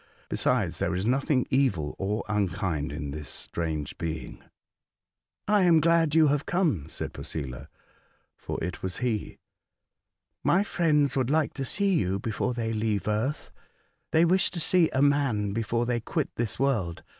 Besides, there is nothing evil or unkind in this strange being." *' I am glad you have come," said Posela, for it was he. '' My friends would like to see you before they leave Earth. They wish to see a man before they quit this world.